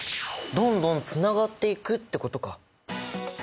どんどんつながっていくってことか！